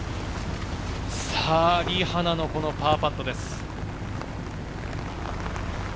リ・ハナのパーパットです。